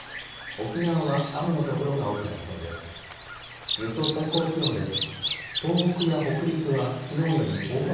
沖縄は雨の所が多くなりそうです。